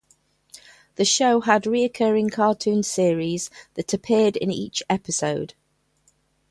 The show had recurring cartoon series that appeared in each episode.